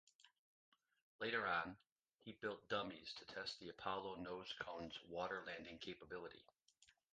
Later on, he built dummies to test the Apollo nose cone's water landing capability.